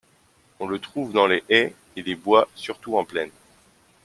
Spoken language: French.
On le trouve dans les haies et les bois surtout en plaine.